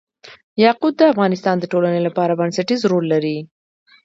یاقوت د افغانستان د ټولنې لپاره بنسټيز رول لري.